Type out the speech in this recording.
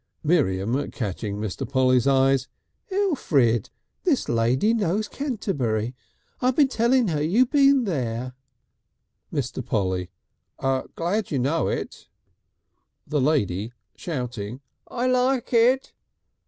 Miriam, catching Mr. Polly's eye: "Elfrid! This lady knows Canterbury. I been telling her you been there." Mr. Polly: "Glad you know it." The lady shouting: "I like it."